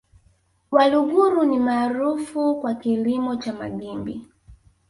Waluguru ni maarufu kwa kilimo cha magimbi